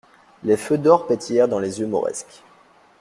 Les feux d'or pétillèrent dans les yeux mauresques.